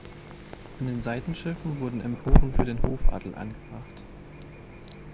An den Seitenschiffen wurden Emporen für den Hofadel angebracht.